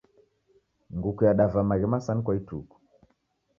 Nguku yadava maghi masanu kwa ituku.